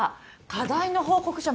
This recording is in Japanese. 課題の報告書